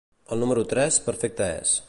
El número tres, perfecte és.